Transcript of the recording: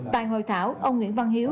tại hội thảo ông nguyễn văn hiếu